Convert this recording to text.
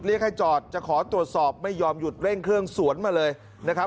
เรียกให้จอดจะขอตรวจสอบไม่ยอมหยุดเร่งเครื่องสวนมาเลยนะครับ